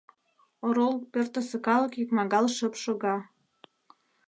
Орол пӧртысӧ калык икмагал шып шога.